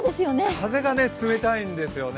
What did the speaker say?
風が冷たいんですよね。